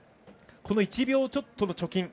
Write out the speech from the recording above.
この１秒ちょっとの貯金